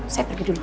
saya pergi dulu